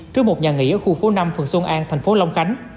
trước một nhà nghỉ ở khu phố năm phường xuân an thành phố long khánh